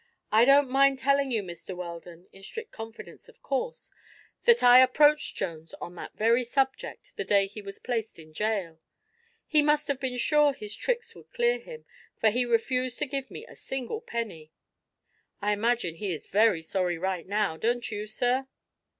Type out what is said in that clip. "I don't mind telling you, Mr. Weldon in strict confidence, of course that I approached Jones on that very subject, the day he was placed in jail. He must have been sure his tricks would clear him, for he refused to give me a single penny. I imagine he is very sorry, right now; don't you, sir?"